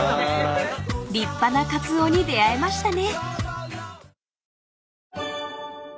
［立派なカツオに出会えましたね］